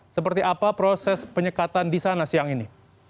seperti apa proses penyekatan di sana siang ini